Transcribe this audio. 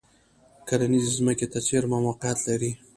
کرنیزې ځمکې ته څېرمه موقعیت لري.